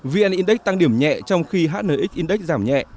vn index tăng điểm nhẹ trong khi hnx index giảm nhẹ